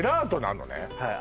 はい